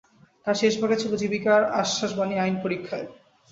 তার শেষভাগে ছিল জীবিকার আশ্বাসবাণী আইনপরীক্ষায়।